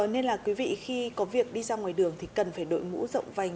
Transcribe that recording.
nên là quý vị khi có việc đi ra ngoài đường thì cần phải đội ngũ rộng vành